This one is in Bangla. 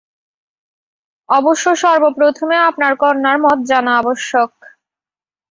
অবশ্য সর্বপ্রথমে আপনার কন্যার মত জানা আবশ্যক।